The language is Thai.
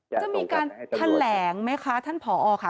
จะมีการแถมแหลงมั้ยคะท่านผอค่ะ